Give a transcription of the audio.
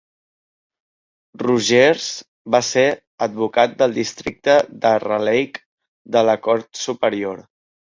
Rogers va ser advocat del districte de Raleigh de la cort superior.